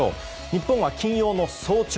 日本は金曜の早朝